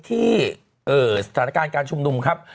ที่ศาลากานการชุมนุมครับ